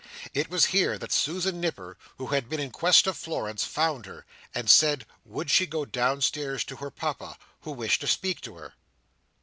It was here that Susan Nipper, who had been in quest of Florence, found her, and said, would she go downstairs to her Papa, who wished to speak to her.